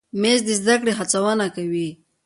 مېز د زده کړې هڅونه کوي.